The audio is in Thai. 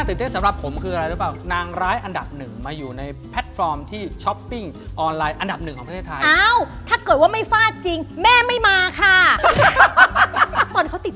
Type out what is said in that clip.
พอตามองบนปุ๊บปากต้องคว่ำลงด้วย